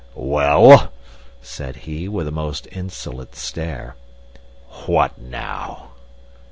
"Well?" said he, with a most insolent stare. "What now?"